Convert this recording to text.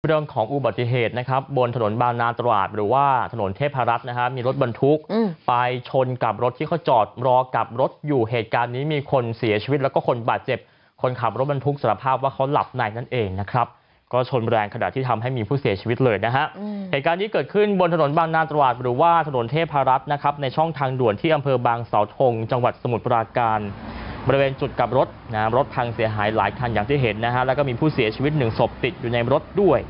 เรื่องของอุบัติเหตุนะครับบนถนนบางนาตรวาสหรือว่าถนนเทพรัสนะครับมีรถบรรทุกไปชนกับรถที่เขาจอดรอกับรถอยู่เหตุการณ์นี้มีคนเสียชีวิตแล้วก็คนบาดเจ็บคนขับรถบรรทุกสารภาพว่าเขาหลับในนั้นเองนะครับก็ชนแรงขนาดที่ทำให้มีผู้เสียชีวิตเลยนะฮะเหตุการณ์ที่เกิดขึ้นบนถนนบางนาตรวาสหรือว่าถ